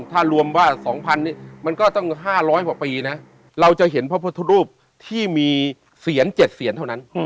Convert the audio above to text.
ถ้ารวมว่า๒๐๐นี่มันก็ต้อง๕๐๐กว่าปีนะเราจะเห็นพระพุทธรูปที่มีเสียร๗เสียนเท่านั้น